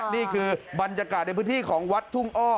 นี่คือบรรยากาศในพื้นที่ของวัดทุ่งอ้อ